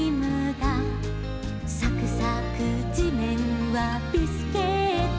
「さくさくじめんはビスケット」